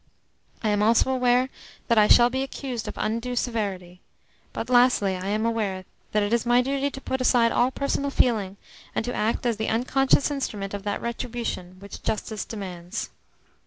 I am also aware that I shall be accused of undue severity; but, lastly, I am aware that it is my duty to put aside all personal feeling, and to act as the unconscious instrument of that retribution which justice demands."